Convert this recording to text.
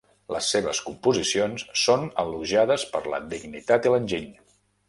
Les seves composicions són elogiades per la dignitat i l'enginy.